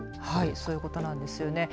そういうことなんです。